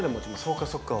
そうかそうか。